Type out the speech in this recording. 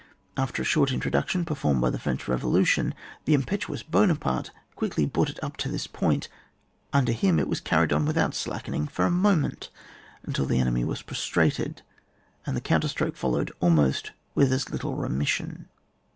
After a short introduction performed by the French Revolution, the impetuous Buonaparte quickly brought it to this point Under him it was carried on without slackening for a moment until the enemy was prostrated, and the coun ter stroke followed almost with as little remission.